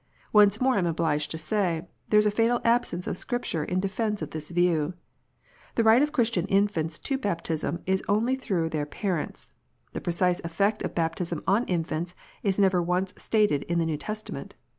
Once more I am obliged to say, there is a fatal absence of Scripture in defence of this view. The right of Christian infants to baptism is only through their parents. The precise effect of baptism on infants is never once stated in the New Testament.